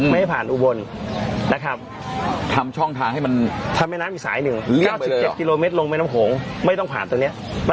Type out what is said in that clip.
ไม่ให้ผ่านอุบลนะครับ